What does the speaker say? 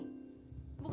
bukan harusnya udah pulang